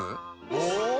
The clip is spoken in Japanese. お！